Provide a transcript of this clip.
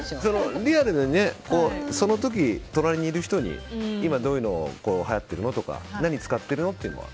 リアルにその時、隣にいる人に今どういうの、はやってるのとか何使ってるのというのは。